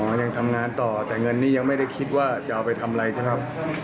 มันยังทำงานต่อแต่เงินนี้ยังไม่ได้คิดว่าจะเอาไปทำอะไรใช่ไหมครับ